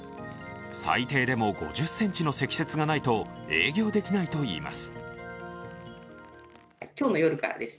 最低でも５０ｃｍの積雪がないと営業できないといいます。